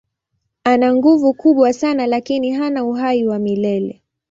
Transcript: Ana nguvu kubwa sana lakini hana uhai wa milele.